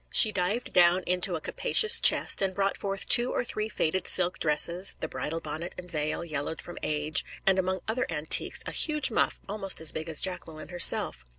She dived down into a capacious chest, and brought forth two or three faded silk dresses, the bridal bonnet and veil, yellowed from age; and, among other antiques, a huge muff almost as big as Jacqueline herself.